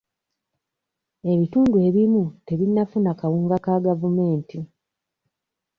Ebitundu ebimu tebinnafuna kawunga ka gavumenti.